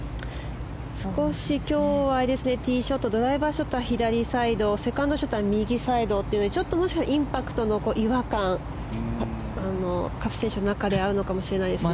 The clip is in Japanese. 少し今日はティーショットドライバーショットが左サイドセカンドショットは右サイドともしかしたらインパクトの違和感勝選手の中であるかもしれないですね。